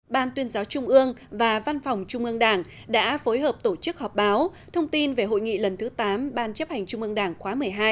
ban tuyên giáo trung ương và văn phòng trung ương đảng đã phối hợp tổ chức họp báo thông tin về hội nghị lần thứ tám ban chấp hành trung ương đảng khóa một mươi hai